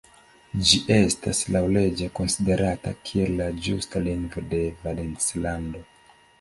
Ĝi estas laŭleĝe konsiderata kiel la ĝusta lingvo de Valencilando.